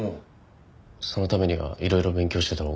そのためにはいろいろ勉強してたほうが。